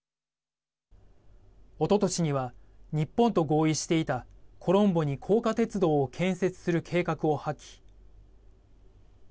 おととしには日本と合意していたコロンボに高架鉄道を建設する計画を破棄。